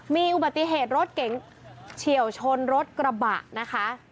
มีอุบัติเหตุรถเก๋งเฉียวชนรถกระบะนะคะ